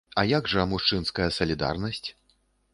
А як жа мужчынская салідарнасць?